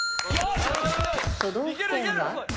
都道府県は？